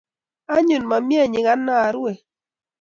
anyun, momeei nyikana, ruwei